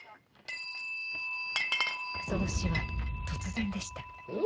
その死は、突然でした。